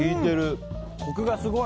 コクがすごい！